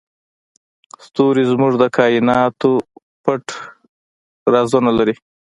ستوري زموږ د کایناتو پټ رازونه لري.